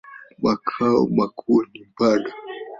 Makao makuu ni Mpanda.